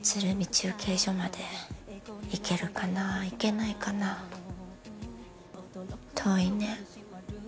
中継所まで行けるかな行けないかな遠いね